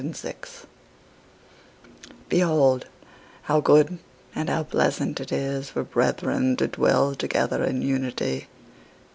19:133:001 Behold, how good and how pleasant it is for brethren to dwell together in unity!